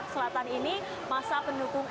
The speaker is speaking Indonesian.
selatan ini masa pendukung